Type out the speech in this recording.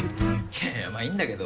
いやいやまあいいんだけど。